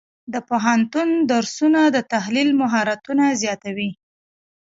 د پوهنتون درسونه د تحلیل مهارتونه زیاتوي.